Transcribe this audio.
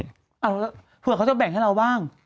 เผื่อเขาจะแบ่งให้เราบ้าง